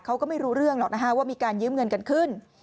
เขาก็ไม่รู้เรื่องหรอกนะฮะว่ามีการยืมเงินกันขึ้น